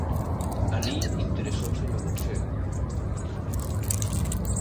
Alí interesouse no boxeo.